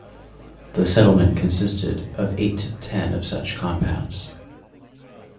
The settlement consisted of eight to ten of such compounds.